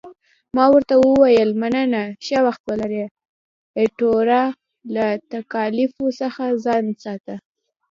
ما ورته وویل، مننه، ښه وخت ولرې، ایټوره، له تکالیفو څخه ځان ساته.